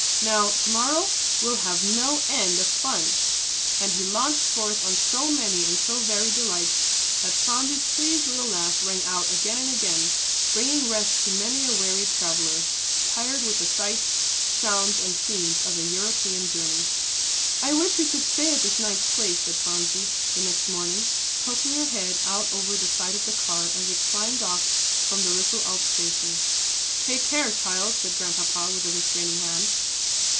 "Now, to morrow, we'll have no end of fun." And he launched forth on so many and so varied delights, that Phronsie's pleased little laugh rang out again and again, bringing rest to many a wearied traveller, tired with the sights, sounds, and scenes of a European journey. "I wish we could stay at this nice place," said Phronsie, the next morning, poking her head out over the side of the car, as it climbed off from the Riffelalp station. "Take care, child," said Grandpapa, with a restraining hand.